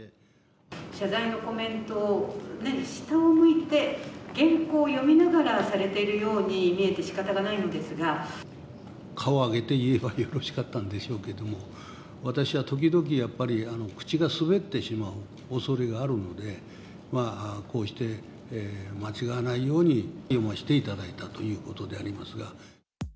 謝罪のコメントを下を向いて原稿を読みながらされているよう顔を上げて言えばよろしかったんでしょうけども、私は時々、やっぱり口が滑ってしまうおそれがあるので、こうして間違わないように読ましていただいたということでありますが。